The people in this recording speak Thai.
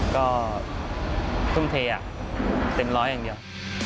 ก็ทุ่มเทเป็นร้อยอย่างเดียว